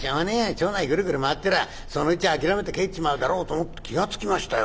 町内グルグル回ってりゃそのうち諦めて帰っちまうだろうと思って気が付きましたよ。